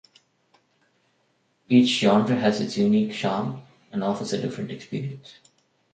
Each genre has its unique charm and offers a different experience.